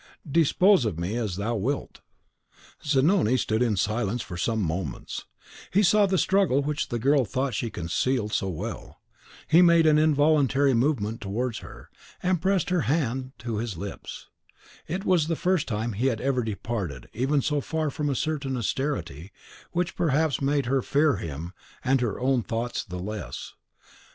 "Dispose of me as thou wilt!" Zanoni stood in silence for some moments: he saw the struggle which the girl thought she concealed so well; he made an involuntary movement towards her, and pressed her hand to his lips; it was the first time he had ever departed even so far from a certain austerity which perhaps made her fear him and her own thoughts the less.